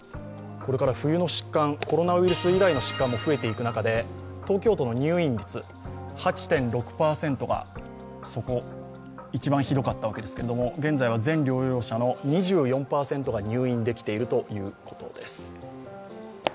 これから冬の疾患、コロナウイルス以外の疾患も増えていく中で東京都の入院率、８．６％が一番ひどかったわけですけれども現在は全療養者の２４％が入院できているということです。